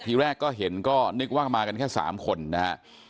ทีแรกก็เห็นก็นึกว่ามากันแค่๓คนนะฮะ